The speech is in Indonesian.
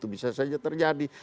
bisa saja terjadi